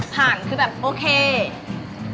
ผ่านคือแบบโอเค